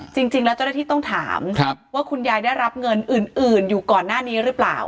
จริงแล้วเจ้าหน้าที่ต้องถามว่าคุณยายได้รับเงินอื่นอยู่ก่อนหน้านี้หรือเปล่า